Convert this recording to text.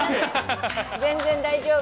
全然、大丈夫。